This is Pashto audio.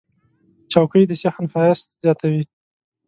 چوکۍ د صحن ښایست زیاتوي.